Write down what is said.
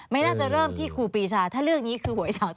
ไม่น่าจะเริ่มที่ครูปีชาถ้าเรื่องนี้คือหวย๓๐